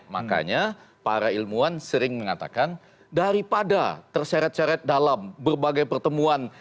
makanya para ilmuwan sering mengatakan daripada terseret seret dalam berbagai pertemuan